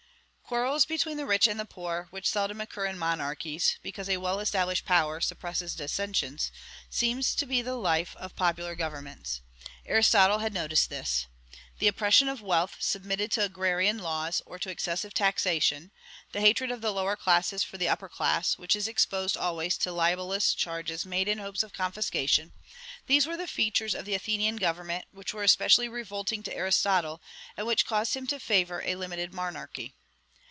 Quarrels between the rich and the poor, which seldom occur in monarchies, because a well established power suppresses dissensions, seem to be the life of popular governments. Aristotle had noticed this. The oppression of wealth submitted to agrarian laws, or to excessive taxation; the hatred of the lower classes for the upper class, which is exposed always to libellous charges made in hopes of confiscation, these were the features of the Athenian government which were especially revolting to Aristotle, and which caused him to favor a limited monarchy.